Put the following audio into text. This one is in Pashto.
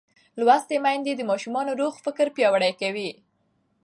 لوستې میندې د ماشوم روغ فکر پیاوړی کوي.